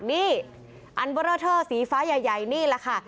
นี่อันเบอร์เรอร์เทอร์สีฟ้าใหญ่นี่แหละค่ะ